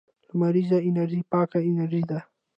لمریزه انرژي پاکه انرژي ده